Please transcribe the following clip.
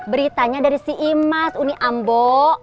beritanya dari si imas uni ambo